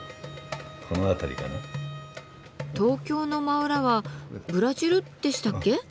東京の真裏はブラジルでしたっけ？